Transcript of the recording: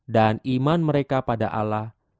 dan iman mereka pada allah